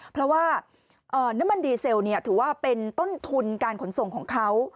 เพราะว่าน้ำมันดีเซลถือว่าเป็นต้นทุนการขนส่งของเขา